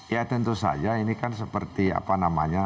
ya tentu saja ini kan seperti apa namanya